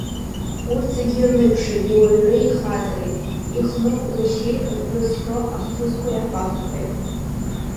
Урҭ зегьы ирныԥшит иуаҩреи ихаҵареи, ихныҟәгашьеи ртәы зҳәо ахҭысқәеи афактқәеи.